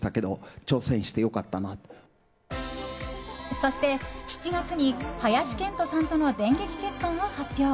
そして、７月に林遣都さんとの電撃結婚を発表。